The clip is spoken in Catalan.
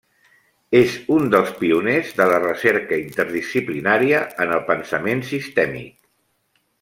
És un dels pioners de la recerca interdisciplinària en el pensament sistèmic.